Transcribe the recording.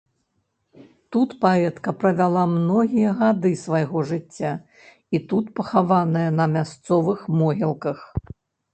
Тут паэтка правяла многія гады свайго жыцця, і тут пахаваная на мясцовых могілках.